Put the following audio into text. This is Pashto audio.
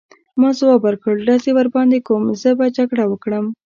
ما ځواب ورکړ: ډزې ورباندې کوم، زه به جګړه وکړم.